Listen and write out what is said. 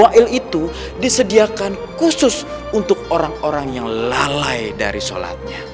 dan wail itu disediakan khusus untuk orang orang yang lalai dari sholatnya